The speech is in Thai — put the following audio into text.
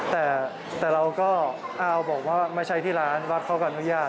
แต่เราก็เอาบอกว่ามาใช้ที่ร้านว่าเขาก็อนุญาต